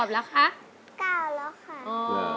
ไม่เคยลืมคำคนลำลูกกา